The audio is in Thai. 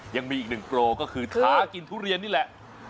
ยังมีอีก๑กิโลกรัมก็คือทากินทุเรียนนี่แหละ